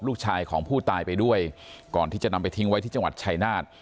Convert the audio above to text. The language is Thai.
ลูกชายของผู้ตายไปด้วยก่อนที่จะนำไปทิ้งไว้ที่จังหวัดชายนาฏ